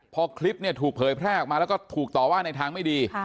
พอคลิปเนี่ยถูกเผยแพร่ออกมาแล้วก็ถูกต่อว่าในทางไม่ดี